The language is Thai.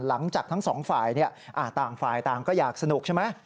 หลังจากทั้งสองฝ่ายต่างฝ่ายต่างก็อยากสนุกใช่ไหม